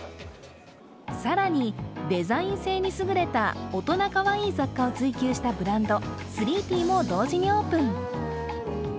更に、デザイン性に優れた大人かわいい雑貨を追求したブランドスリーピーも同時にオープン。